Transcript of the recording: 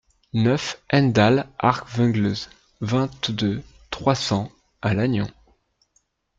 neuf hent-Dall ar Vengleuz, vingt-deux, trois cents à Lannion